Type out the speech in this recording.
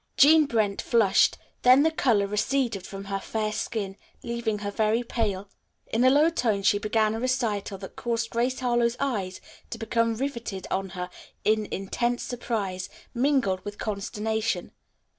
Jean Brent flushed, then the color receded from her fair skin, leaving her very pale. In a low tone she began a recital that caused Grace Harlowe's eyes to become riveted on her in intense surprise, mingled with consternation.